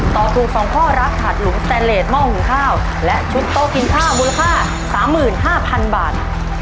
ตอบถูก๒ข้อรับถาดหลุมสแตนเลสหม้อหุงข้าวและชุดโต๊ะกินข้าวมูลค่า๓๕๐๐๐บาท